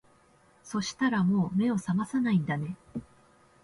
そしたらもう目を覚まさないんだね